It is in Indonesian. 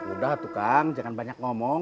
udah tukang jangan banyak ngomong